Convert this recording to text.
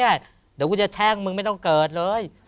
เดี๋ยวกูจะแช่งมึงไม่ต้องเกิดเลย